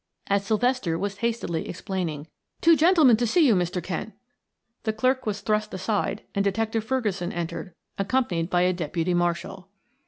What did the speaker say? As Sylvester was hastily explaining, "Two gentlemen to see you, Mr. Kent," the clerk was thrust aside and Detective Ferguson entered, accompanied by a deputy marshal.